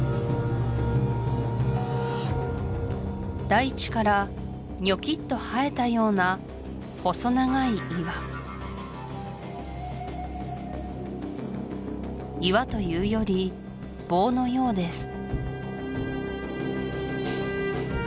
大地からにょきっと生えたような細長い岩岩というより棒のようです